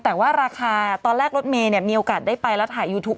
แต่ว่าราคาตอนแรกรถเมย์มีโอกาสได้ไปแล้วถ่ายยูทูป